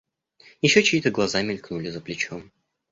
Еще чьи-то глаза мелькнули за плечом.